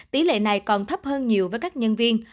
tỷ lệ này còn thấp hơn nhiều với các nhân viên